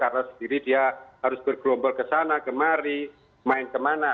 karena sendiri dia harus bergelombol ke sana kemari main kemana